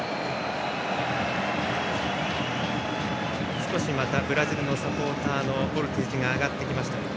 少しまたブラジルのサポーターのボルテージが上がってきました。